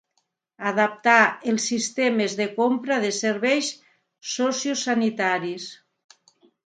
Adaptar els sistemes de compra de serveis sociosanitaris.